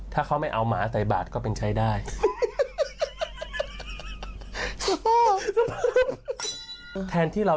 ถ้าเขาไม่เอาหมาใส่บาทก็เป็นใช้ได้